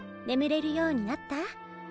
眠れるようになった？